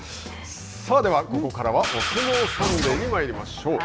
ではここからは「おすもうサンデー」に参りましょう。